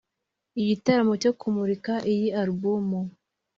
Igitaramo cyo kumurika iyi alubumu